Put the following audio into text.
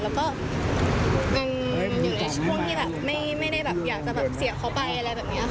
แล้วก็อยู่ในช่วงที่ไม่ได้อยากจะเสียเขาไปอะไรแบบนี้ค่ะ